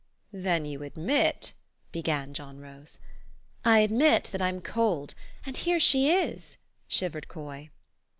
" Then you admit " began John Rose. " I admit that I'm cold, and here she is," shiv ered Coy.